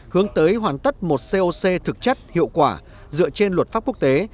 hướng tới hoàn tất một coc thực chất hiệu quả dựa trên luật pháp quốc tế